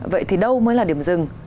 vậy thì đâu mới là điểm dừng